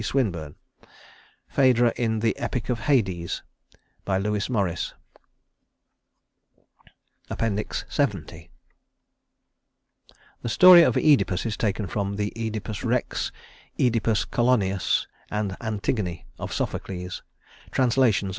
SWINBURNE Phædra in "The Epic of Hades" LEWIS MORRIS LXX The story of Œdipus is taken from the "Œdipus Rex," "Œdipus Coloneus," and "Antigone" of Sophocles (trans.